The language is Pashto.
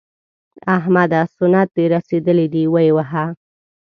احمده! سنت دې رسېدلي دي؛ ویې وهه.